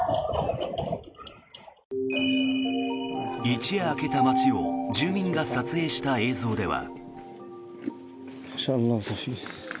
一夜明けた街を住民が撮影した映像では。